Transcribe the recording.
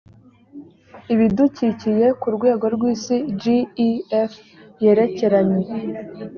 ibidukikiye kurwego rw isi gef yerekeranye